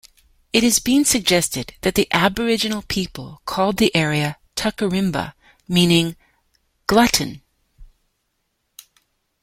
It has been suggested that the Aboriginal people called the area Tuckurimbah meaning "glutton.